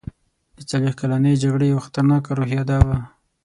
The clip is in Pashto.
د څلوېښت کلنې جګړې یوه خطرناکه روحیه دا وه.